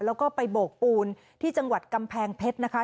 แล้วก็ไปโบกปูนที่จังหวัดกำแพงเพชรนะคะ